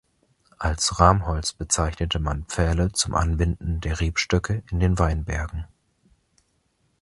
Als "Ramholz" bezeichnete man Pfähle zum Anbinden der Rebstöcke in den Weinbergen.